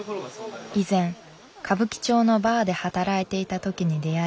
以前歌舞伎町のバーで働いていたときに出会い